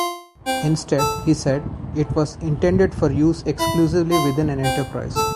Instead, he said, it was intended for use exclusively within an enterprise.